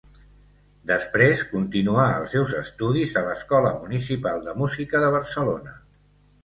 Després continuà els seus estudis a l'Escola Municipal de Música de Barcelona.